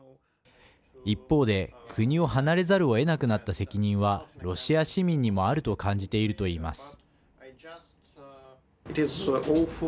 一方で、国を離れざるをえなくなった責任はロシア市民にもあると感じていると言います。